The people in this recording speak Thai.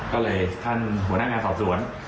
ก็เลยท่านหัวหน้างานสอบสวน